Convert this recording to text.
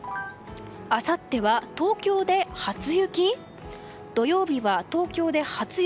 あさっては東京で初雪？